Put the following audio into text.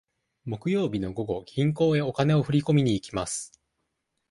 木曜日の午後、銀行へお金を振り込みに行きます。